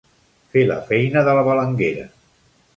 Fer la feina de la balanguera.